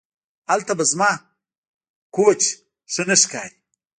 هلته به زما کوچ ښه نه ښکاري